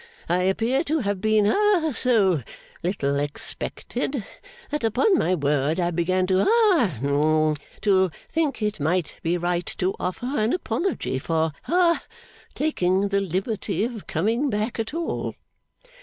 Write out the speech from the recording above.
I appear to have been ha so little expected, that upon my word I began ha hum to think it might be right to offer an apology for ha taking the liberty of coming back at all.